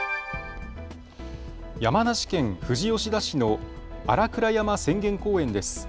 山梨県富士吉田市の新倉山浅間公園です。